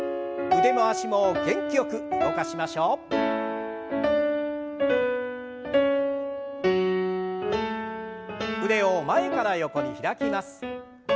腕を前から横に開きます。